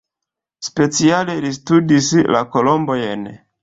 Speciale li studis la kolombojn.